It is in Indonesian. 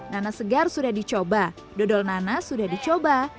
nanas segar sudah dicoba dodol nanas sudah dicoba